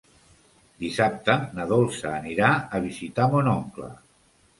Dissabte na Dolça anirà a visitar mon oncle.